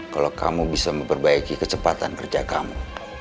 kalau kamu bisa memperbaiki kecepatan kerja kamu